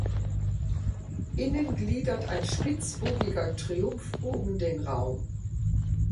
Innen gliedert ein spitzbogiger Triumphbogen den Raum.